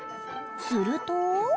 すると。